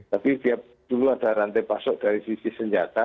tapi dia dulu ada rantai pasok dari sisi senjata